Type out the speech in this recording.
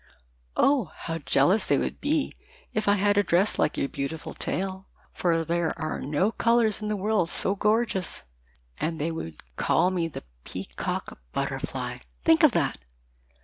"Oh, how jealous they would be if I had a dress like your beautiful tail, for there are no colors in the world so gorgeous, and they would call me the Peacock Butterfly! Think of that!